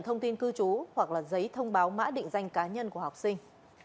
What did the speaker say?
thông tin cư trú hoặc là giấy thông báo mã định danh cá nhân của học sinh